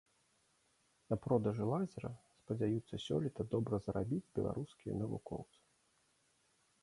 На продажы лазера спадзяюцца сёлета добра зарабіць беларускія навукоўцы.